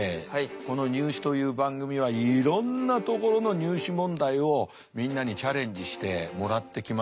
この「ニュー試」という番組はいろんなところの入試問題をみんなにチャレンジしてもらってきました。